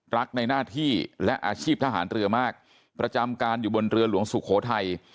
รักในหน้าที่และอาชีพทหารเรือมากประจำการอยู่บนเรือหลวงสุโขทัย